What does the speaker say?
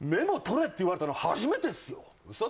取れって言われたの初めてっすよウソ